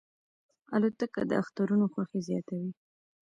الوتکه د اخترونو خوښي زیاتوي.